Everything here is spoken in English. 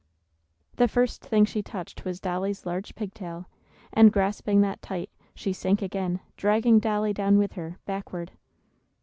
The first thing she touched was Dolly's large pig tail, and, grasping that tight, she sank again, dragging Dolly down with her, backward.